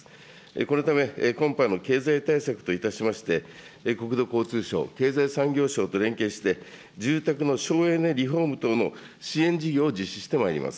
このため、今般の経済対策といたしまして、国土交通省、経済産業省と連携して、住宅の省エネ、リフォーム等の支援事業を実施してまいります。